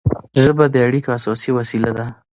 ژبه د اړیکو اساسي وسیله ده.